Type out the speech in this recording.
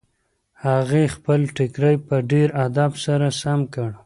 هغې خپل ټیکری په ډېر ادب سره سم کړ.